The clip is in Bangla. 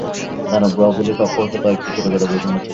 দানব গ্রহগুলির কক্ষপথে কয়েকটি ছোটোখাটো বৈষম্য ছিল।